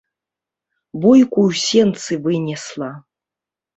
Бойку ў сенцы вынесла.